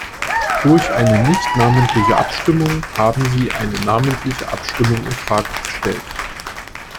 Durch eine nicht namentliche Abstimmung haben Sie eine namentliche Abstimmung in Frage gestellt.